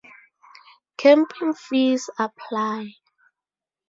Camping fees apply.